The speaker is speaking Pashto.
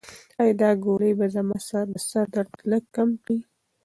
ایا دا ګولۍ به زما د سر درد لږ کم کړي؟